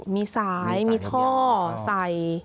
มีสายมีท่อใส่